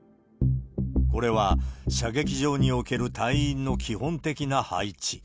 これは射撃場における隊員の基本的な配置。